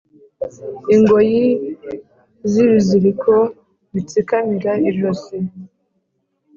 Ingoyi n’ibiziriko bitsikamira ijosi,